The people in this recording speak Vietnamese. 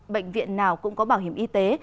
bệnh viện nào cũng có bảo hiểm y tế